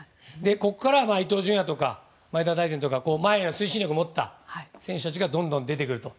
ここからは伊東純也とか前田大然とか前の推進力を持った選手たちがどんどん出てくると。